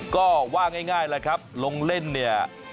ก็ว่าง่ายแหละครับลงเล่นเนี่ย